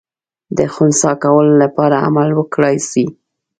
د خنثی کولو لپاره عمل وکړای سي.